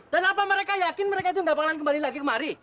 dan apa mereka yakin mereka itu nggak bakalan kembali lagi kemari